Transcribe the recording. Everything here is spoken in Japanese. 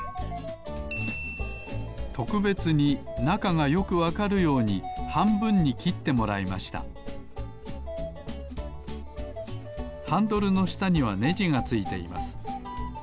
とくべつになかがよくわかるようにはんぶんにきってもらいましたハンドルのしたにはねじがついています。